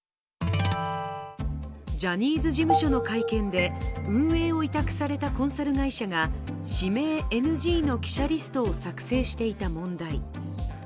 ジャニーズ事務所の会見で運営を委託されたコンサル会社が指名ＮＧの記者リストを作成していた問題。